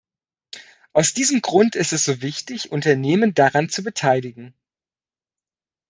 Aus diesem Grund ist es so wichtig, Unternehmen daran zu beteiligen.